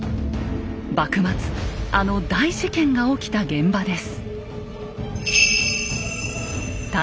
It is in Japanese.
幕末あの大事件が起きた現場です。